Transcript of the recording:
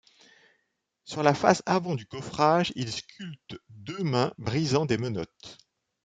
Sur la face avant du coffrage, il sculpte deux mains brisant des menottes.